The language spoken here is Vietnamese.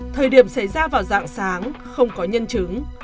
thời điểm xảy ra vào dạng sáng không có nhân chứng